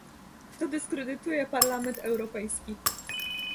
To dyskredytuje Parlament Europejski